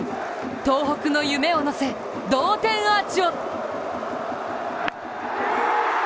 東北の夢を乗せ、同点アーチを。